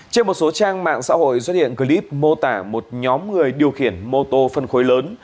trên một số trang mạng xã hội xuất hiện clip mô tả một nhóm người điều khiển mô tô phân khối lớn